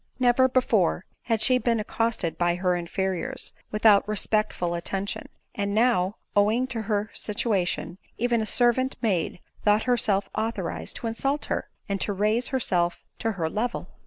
Never before had she been accosted by her inferiors without respectful attention ; and now, owing to her situation, even a servant maid thought herself authorized to insult her, and to raise her self to her level